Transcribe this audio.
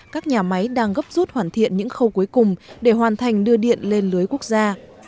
các nhà máy đang gấp rút hoàn thiện những khâu cuối cùng để hoàn thành đưa điện lên lưới quốc gia